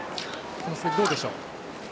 この滑り、どうでしょう？